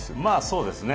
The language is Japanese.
そうですね。